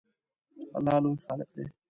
الله لوی خالق دی